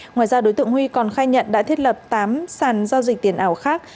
ngoài ra đối tượng huy còn khai nhận đã thiết lập tám sàn giao dịch tiền ảo khác